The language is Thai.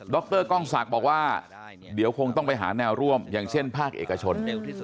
รกล้องศักดิ์บอกว่าเดี๋ยวคงต้องไปหาแนวร่วมอย่างเช่นภาคเอกชน